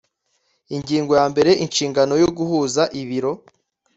ingingo ya mbere inshingano yo guhuza ibiro